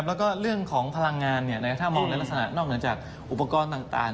แล้วก็เรื่องของพลังงานถ้ามองในลักษณะนอกเหนือจากอุปกรณ์ต่าง